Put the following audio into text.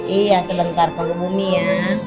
iya sebentar belum bumi ya